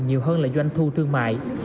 nhiều hơn là doanh thu thương mại